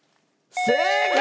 正解！